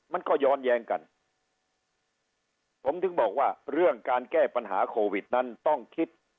มันก็ย้อนแย้งกันผมถึงบอกว่าเรื่องการแก้ปัญหาโควิดนั้นต้องคิด